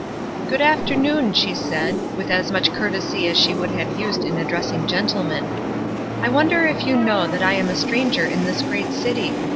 "Good afternoon," she said, with as much courtesy as she would have used in addressing gentlemen. "I wonder if you know that I am a stranger in this great city?